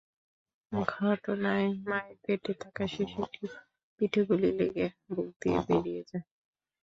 ঘটনায় মায়ের পেটে থাকা শিশুটির পিঠে গুলি লেগে বুক দিয়ে বেরিয়ে যায়।